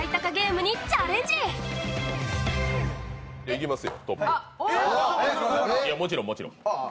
いきますよ。